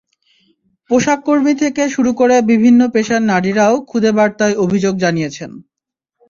পোশাককর্মী থেকে শুরু করে বিভিন্ন পেশার নারীরাও খুদে বার্তায় অভিযোগ জানিয়েছেন।